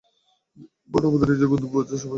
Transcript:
বিদায় বোন, আমাদের নিজেদের গন্তব্য খোঁজার সময় এসেছে।